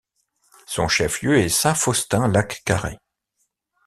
Son chef-lieu est Saint-Faustin–Lac-Carré.